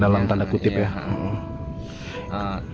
dalam tanda kutip ya